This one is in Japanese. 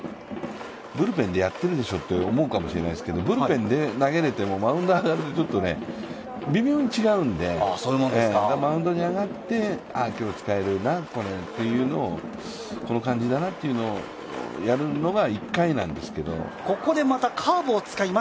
ブルペンでやってるでしょと思うかもしれないですけど、ブルペンでやっていてもマウンド上がると微妙に違うので、マウンドに上がって、今日使えるなこれ、この感じだなとやるのが１回なんですけど。